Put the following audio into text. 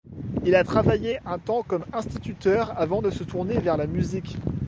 Il a travaillé un temps comme instituteur avant de se tourner vers la musique.